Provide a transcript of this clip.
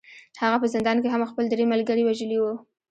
هغه په زندان کې هم خپل درې ملګري وژلي وو